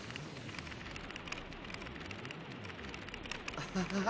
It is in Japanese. アハハハハ！